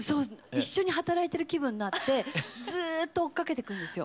一緒に働いてる気分になってずっと追っかけてくんですよ。